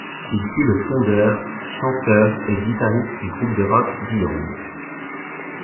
Il fut le fondeur, chanteur et guitariste du groupe de rock Beyond.